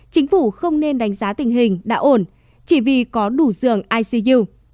chính phủ không nên đánh giá tình hình đã ổn chỉ vì có đủ giường icu